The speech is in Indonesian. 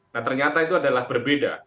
nah ternyata itu adalah berbeda